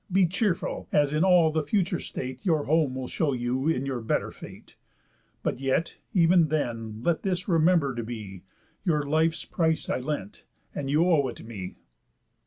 Be cheerful, as in all the future state Your home will show you in your better fate. But yet, ev'n then, let this remember'd be, Your life's price I lent, and you owe it me."